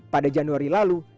pada januari lalu